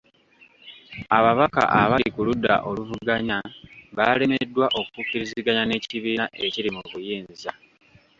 Ababaka abali ku ludda oluvuganya baalemeddwa okukkiriziganya n'ekibiina ekiri mu buyinza.